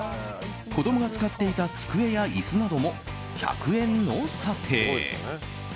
子供が使っていた机や椅子なども１００円の査定。